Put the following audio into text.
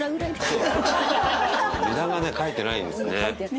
値段がね書いてないんですね。